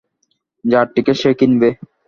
যার টিকেট সে কিনব।